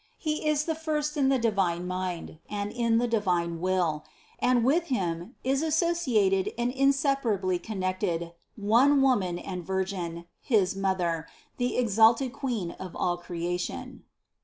He is the first in the divine Mind and in the divine Will, and with Him is associated and inseparably connected, one Woman and Virgin, his Mother, the exalted Queen of all creation.